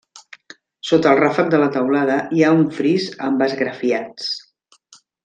Sota el ràfec de la teulada hi ha un fris amb esgrafiats.